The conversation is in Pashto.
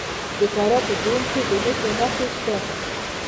د فراه په جوین کې د مسو نښې شته.